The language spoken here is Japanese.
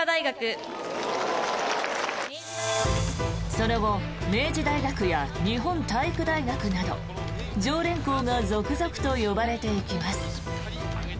その後明治大学や日本体育大学など常連校が続々と呼ばれていきます。